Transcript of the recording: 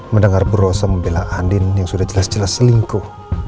mendengar berdosa membela andin yang sudah jelas jelas selingkuh